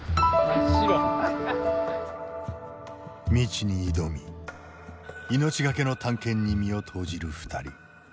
未知に挑み命懸けの探検に身を投じる２人。